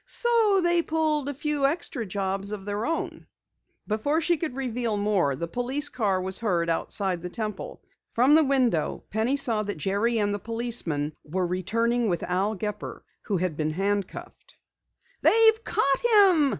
So they pulled a few extra jobs of their own." Before she could reveal more, the police car was heard outside the Temple. From the window Penny saw that Jerry and the policeman were returning with Al Gepper who had been handcuffed. "They've caught him!"